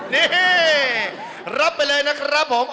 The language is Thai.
นี่รับไปเลยนะครับผม